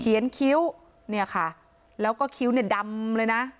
คิ้วเนี่ยค่ะแล้วก็คิ้วเนี่ยดำเลยนะ